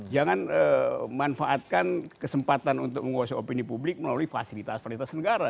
jangan manfaatkan kesempatan untuk menguasai opini publik melalui fasilitas fasilitas negara